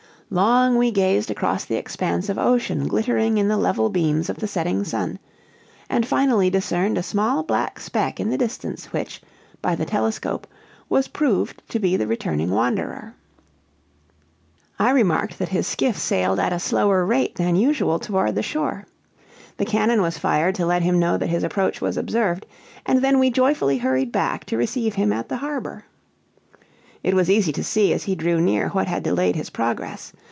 Long we gazed across the expanse of ocean glittering in the level beams of the setting sun, and finally discerned a small black speck in the distance which, by the telescope, was proved to be the returning wanderer. I remarked that his skiff sailed at a slower rate than usual toward the shore. The cannon was fired to let him know that his approach was observed, and then we joyfully hurried back to receive him at the harbor. It was easy to see, as he drew near, what had delayed his progress.